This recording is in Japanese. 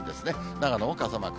長野も傘マーク。